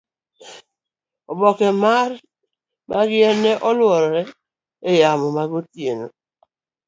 oboke mag yien go neluorore e yamo magotieno